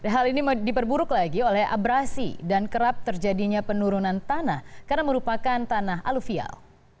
hal ini diperburuk lagi oleh abrasi dan kerap terjadinya penurunan tanah karena merupakan tanah aluvial